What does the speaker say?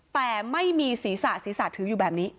แต่ไม่มีศีรษะศีรษะถืออยู่แบบนี้